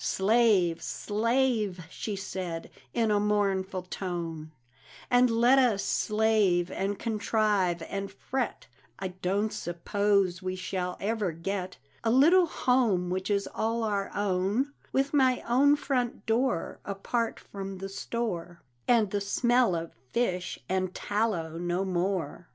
"Slave, slave!" she said, in a mournful tone; "And let us slave, and contrive, and fret, I don't suppose we shall ever get A little home which is all our own, With my own front door Apart from the store, And the smell of fish and tallow no more."